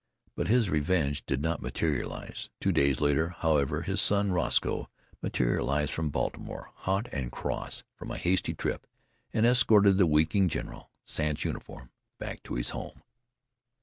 But this revenge did not materialise. Two days later, however, his son Roscoe materialised from Baltimore, hot and cross from a hasty trip, and escorted the weeping general, sans uniform, back to his home.